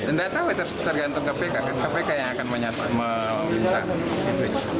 tidak tahu tergantung kpk kpk yang akan menyapa